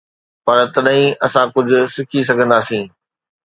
پر تڏهن ئي اسان ڪجهه سکي سگهنداسين.